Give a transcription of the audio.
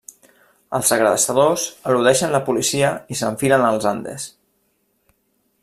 Els segrestadors eludeixen la policia i s'enfilen als Andes.